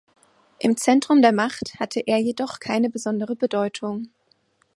Im Zentrum der Macht hatte er jedoch keine besondere Bedeutung.